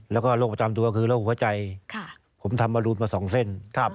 แล้วก็โรคประจำตัวคือโรคหัวใจผมทำมารูนมา๒เส้น